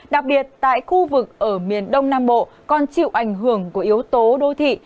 đặc biệt tại khu vực ở miền đông nam bộ còn chịu ảnh hưởng của yếu tố đô thị